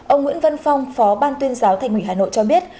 ông nguyễn văn phong phó ban tuyên giáo thành ủy hà nội cho biết